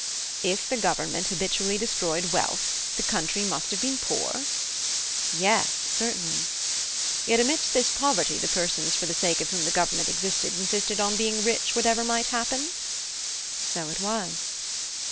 (H.) If the government habitually destroyed wealth, the country must have been poor? (I) Yes, certainly. (H.) Yet amidst this poverty the persons for the sake of whom the government existed insisted on being rich whatever might happen? (I) So it was.